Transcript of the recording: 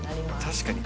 確かに。